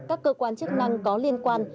các cơ quan chức năng có liên quan